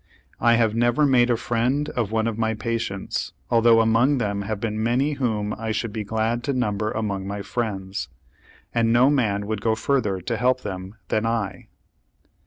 I have never made a friend of one of my patients, although among them have been many whom I should be glad to number among my friends; and no man would go further to help them than I.